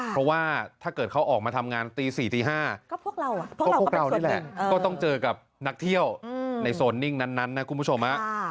เพราะว่าถ้าเกิดเขาออกมาทำงานตี๔ตี๕พวกเรานี่แหละก็ต้องเจอกับนักเที่ยวในโซนนิ่งนั้นนะคุณผู้ชม